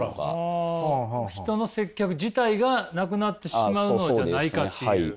人の接客自体がなくなってしまうのじゃないかっていう。